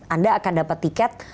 anda akan dapat tiket